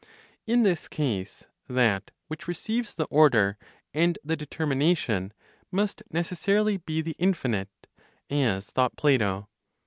In this case, that which receives the order and the determination must necessarily be the infinite (as thought Plato).